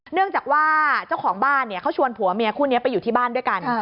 เนื่องจากว่าเจ้าของบ้านเขาชวนผัวเมียคู่นี้ไปอยู่ที่บ้านด้วยกัน